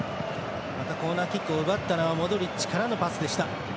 コーナーキックを奪ったのはモドリッチからのパスでした。